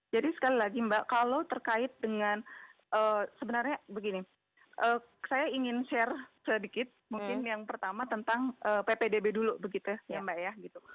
jadi sekali lagi mbak kalau terkait dengan sebenarnya begini saya ingin share sedikit mungkin yang pertama tentang ppdb dulu begitu ya mbak ya